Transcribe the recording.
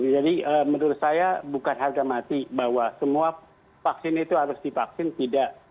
jadi menurut saya bukan harga mati bahwa semua vaksin itu harus divaksin tidak